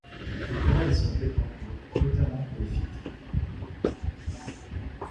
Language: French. Les querelles sont fréquentes, notamment pour les filtres.